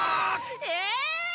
えっ！？